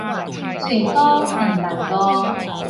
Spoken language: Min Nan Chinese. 喙呼，兩萬五